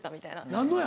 何のや？